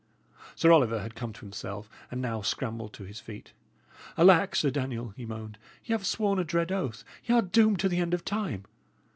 Sir Oliver had come to himself, and now scrambled to his feet. "Alack, Sir Daniel!" he moaned, "y' 'ave sworn a dread oath; y' are doomed to the end of time."